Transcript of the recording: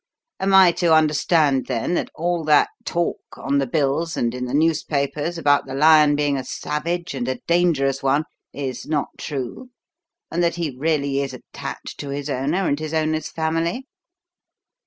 Am I to understand, then, that all that talk, on the bills and in the newspapers, about the lion being a savage and a dangerous one is not true, and that he really is attached to his owner, and his owner's family?"